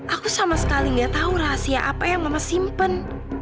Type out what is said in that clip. aku sama sekali nggak tahu rahasia apa yang mama simpen